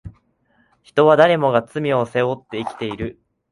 人は誰もが罪を背負って生きている